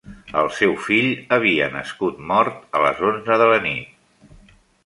El seu fill havia nascut mort a les onze de la nit.